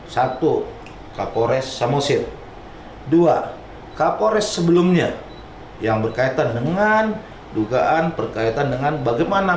satu kapolres samosir dua kapolres sebelumnya yang berkaitan dengan dugaan berkaitan dengan bagaimana